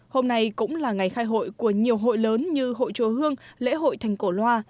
hôm nay cũng là ngày khai hội của nhiều hội lớn như hội chùa hương lễ hội thành cổ loa